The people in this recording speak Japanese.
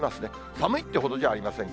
寒いってほどじゃありません